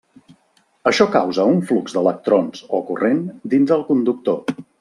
Això causa un flux d'electrons o corrent dins el conductor.